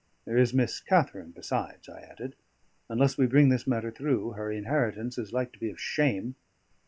"There is Miss Katharine, besides," I added: "unless we bring this matter through, her inheritance is like to be of shame."